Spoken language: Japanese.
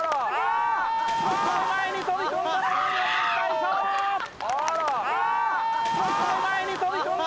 その前に飛び込んだ！